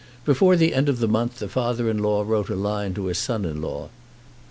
Before the end of the month the father in law wrote a line to his son in law.